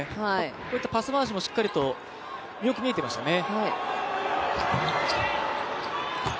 こういったパス回しもよく見えていましたね。